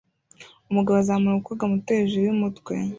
Umugabo azamura umukobwa muto hejuru yumutwe